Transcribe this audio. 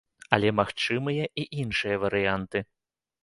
Але магчымыя і іншыя варыянты.